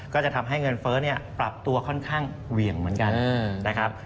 ก็จะทำให้เงินเฟ้อเนี่ยปรับตัวค่อนข้างเหวี่ยงเหมือนกันนะครับ